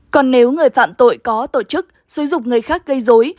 còn nếu người phạm tội có tổ chức xử dụng người khác gây dối